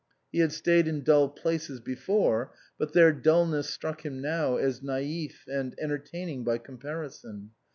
He had stayed in dull places before, but their dulness struck him now as naif and entertaining by comparison.